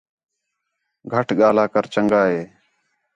گَھٹ ڳاھلا کر چَنڳا ہے